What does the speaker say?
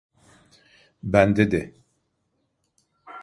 Bende de.